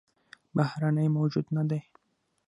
بهرنى موجود نه دى